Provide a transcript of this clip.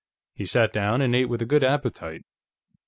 He sat down and ate with a good appetite.